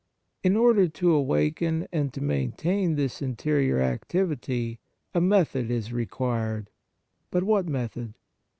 In order to awaken and to maintain this interior activity, a method is required. But what method